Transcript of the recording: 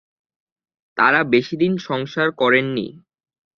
তারা বেশি দিন সংসার করেন নি।